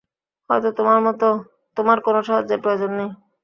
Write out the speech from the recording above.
হয়তো তোমার কোনো সাহায্যের প্রয়োজন নেই!